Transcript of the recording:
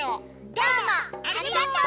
どうもありがとう！